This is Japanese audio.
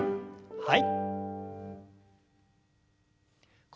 はい。